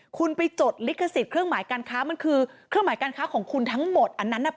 คุณไปจดลิขสิทธิ์เครื่องหมายการค้ามันคือเครื่องหมายการค้าของคุณทั้งหมดอันนั้นน่ะ